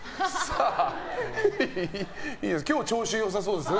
今日、調子良さそうですね。